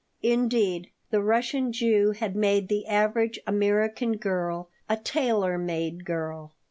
Indeed, the Russian Jew had made the average American girl a "tailor made" girl.